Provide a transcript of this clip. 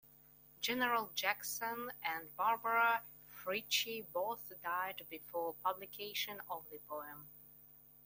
General Jackson and Barbara Fritchie both died before publication of the poem.